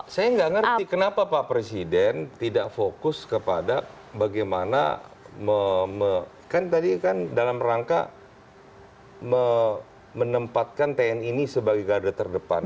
saya nggak ngerti kenapa pak presiden tidak fokus kepada bagaimana kan tadi kan dalam rangka menempatkan tni ini sebagai garda terdepan